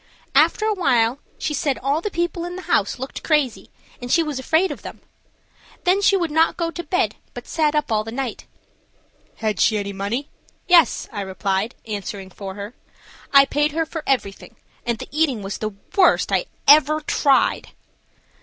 After awhile she said all the people in the house looked crazy, and she was afraid of them. Then she would not go to bed, but sat up all the night." "Had she any money?" "Yes," I replied, answering for her, "I paid her for everything, and the eating was the worst I ever tried."